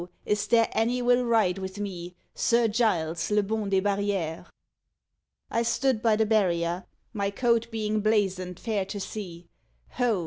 is there any will ride with me, Sir Giles, le bon des barrières?_ I stood by the barrier, My coat being blazon'd fair to see; _Ho!